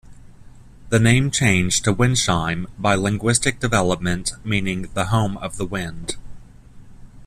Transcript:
The name changed to "Windsheim" by linguistic development, meaning "the home of the wind".